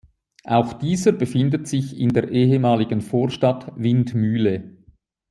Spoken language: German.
Auch dieser befindet sich in der ehemaligen Vorstadt Windmühle.